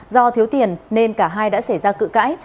do thiếu tiền nên cả hai đã xảy ra cự cãi